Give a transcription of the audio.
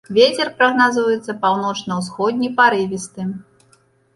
Вецер прагназуецца паўночна-ўсходні парывісты.